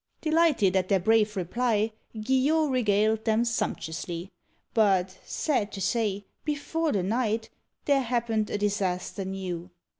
Delighted at their brave reply, Guillot regaled them sumptuously. But, sad to say, before the night, There happened a disaster new.